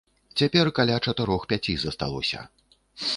Цяпер каля чатырох-пяці засталося.